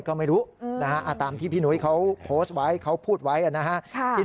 ก็ไม่รู้นะคะอ่ะตามที่พี่หนุ้ยเขาไว้เขาพูดไว้อะนะคะค่ะที